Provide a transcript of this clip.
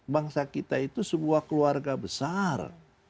bangsa kita itu sebuah keluarga besar